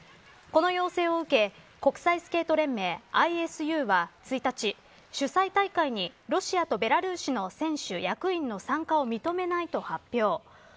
この要請を受け国際スケート連盟ＩＳＵは１日、主催大会にロシアとベラルーシの選手役員の参加を認めないと発表。